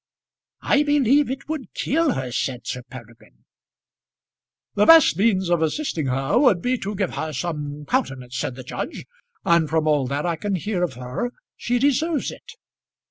"I believe it would kill her," said Sir Peregrine. "The best means of assisting her would be to give her some countenance," said the judge; "and from all that I can hear of her, she deserves it."